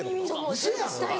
ウソやん。